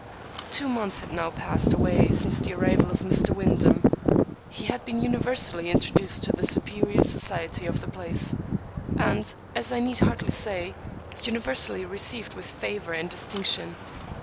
Two months had now passed away since the arrival of Mr. Wyndham. He had been universally introduced to the superior society of the place ; and, as I need hardly say, universally received with favor and distinction.